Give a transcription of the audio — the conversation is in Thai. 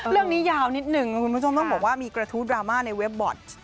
ยาวนิดหนึ่งนะคุณผู้ชมต้องบอกว่ามีกระทู้ดราม่าในเว็บบอส